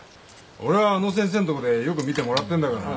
俺はあの先生の所でよく診てもらってんだから。